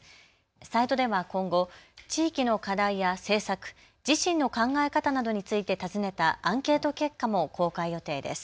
サイトでは今後、地域の課題や政策、自身の考え方などについて尋ねたアンケート結果も公開予定です。